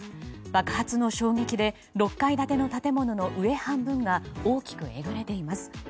爆発の衝撃で６階建ての建物の上半分が大きくえぐれています。